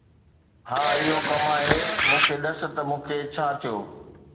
ها، اهو ڪم آهي. مون کي ڏس ته مون کي ڇا ٿيو.